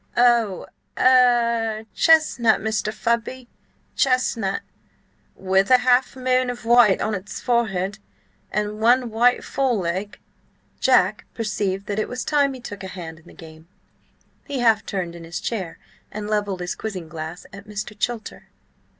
"Oh–er–chestnut, Mr. Fudby–chestnut, with a half moon of white on its forehead, and one white foreleg." Jack perceived that it was time he took a hand in the game. He half turned in his chair and levelled his quizzing glass at Mr. Chilter.